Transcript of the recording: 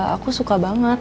aku suka banget